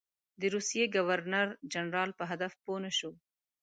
د روسیې د ګورنر جنرال په هدف پوه نه شو.